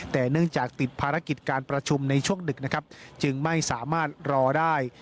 แต่เนื่องจากติดภารกิจการประชุมในช่วงดึกนะครับจึงไม่สามารถรอได้